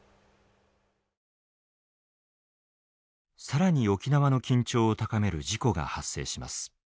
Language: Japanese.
更に沖縄の緊張を高める事故が発生します。